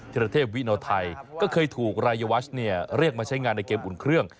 รเทพวิโนไทยก็เคยถูกรายวัชเนี่ยเรียกมาใช้งานในเกมอุ่นเครื่อง